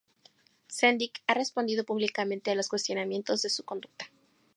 Sendic ha respondido públicamente a los cuestionamientos de su conducta".